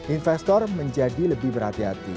investor menjadi lebih berhati hati